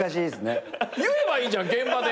言えばいいじゃん現場で。